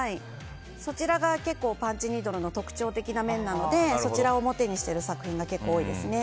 そちらがパンチニードルの特徴的な面なのでそちらを表にしてる作品が結構多いですね。